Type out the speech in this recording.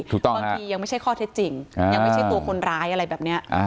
บางทียังไม่ใช่ข้อเท็จจริงยังไม่ใช่ตัวคนร้ายอะไรแบบนี้